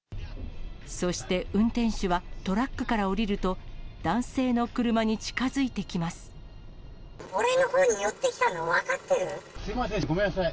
そして運転手は、トラックから降りると、俺のほうに寄ってきたの分かすみません、ごめんなさい。